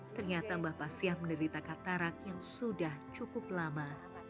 ternyata mbah pasya menderita katarak yang sudah cukup lama